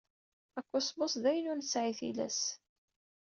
Akosmos d ayen ur nesɛi tilas?